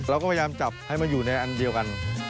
เราก็พยายามจับให้มาอยู่ในอันเดียวกัน